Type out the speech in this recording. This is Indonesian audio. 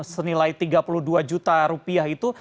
senilai tiga puluh dua juta rupiah itu